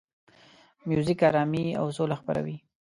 موزیک آرامي او سوله خپروي.